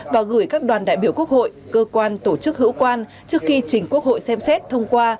và gửi các đoàn đại biểu quốc hội cơ quan tổ chức hữu quan trước khi chỉnh quốc hội xem xét thông qua